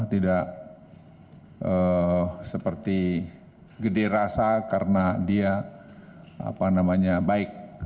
tidak seperti gede rasa karena dia baik